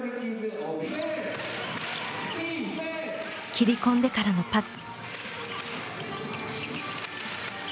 切り込んでからのパス。